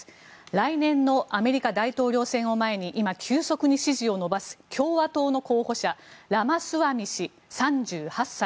来年のアメリカ大統領選を前に今、急速に支持を伸ばす共和党の候補者ラマスワミ氏、３８歳。